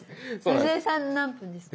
野添さん何分ですか？